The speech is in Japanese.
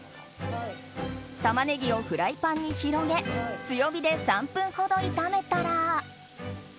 タマネギをフライパンに広げ強火で３分ほど炒めたら。